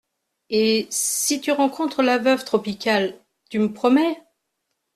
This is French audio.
Et, si tu rencontres la veuve Tropical, tu me promets…